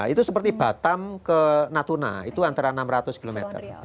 itu seperti batam ke natuna itu antara enam ratus km